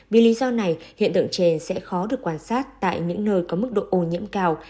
vì lý do này hiện tượng chè sẽ khó được quan sát tại những nơi có mức độ ô nhiễm cao